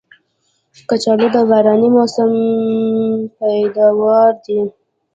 کچالو د باراني موسم پیداوار دی